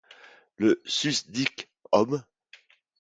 Le susdict homme